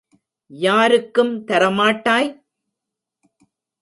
யாருக்கும் தர மாட்டாய்?